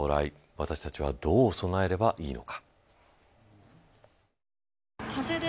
私たちはどう備えればいいのか。